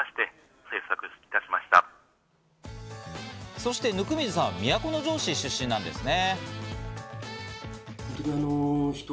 そして温水さん、都城市出身なんですね。